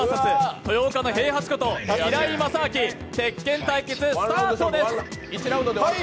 豊岡の平八こと平井まさあき「鉄拳」対決、スタートです！